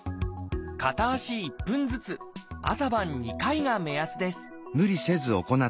片足１分ずつ朝晩２回が目安です